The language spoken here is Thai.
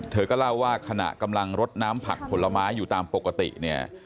เธอก็เล่าว่าขณะกำลังรดน้ำผักผลไม้อยู่ตามปกติเนี่ย